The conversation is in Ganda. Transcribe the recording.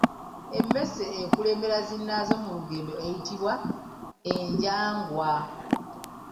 Emmese ekulembera zinnaazo mu lugendo eyitibwa Enjangwa.